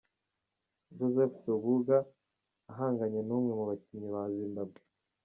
Joseph Nsubuga ahanganye nnumwe mu bakinnyi ba Zimbabwe